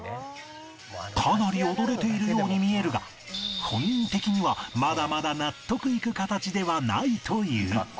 かなり踊れているように見えるが本人的にはまだまだ納得いく形ではないという